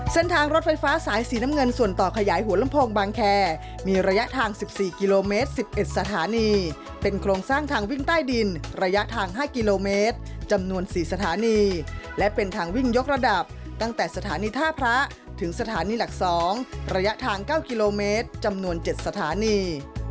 เส้นทางรถไฟฟ้าสายสีน้ำเงินส่วนต่อขยายหัวลำโพงบางแคมีระยะทาง๑๔กิโลเมตร๑๑สถานีเป็นโครงสร้างทางวิ่งใต้ดินระยะทาง๕กิโลเมตรจำนวน๔สถานีและเป็นทางวิ่งยกระดับตั้งแต่สถานีท่าพระถึงสถานีหลัก๒ระยะทาง๙กิโลเมตรจำนวน๗สถานี